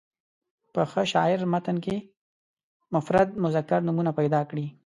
په ښه شاعر متن کې مفرد مذکر نومونه پیدا کړي.